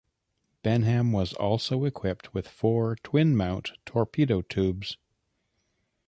"Benham" was also equipped with four twin mount torpedo tubes.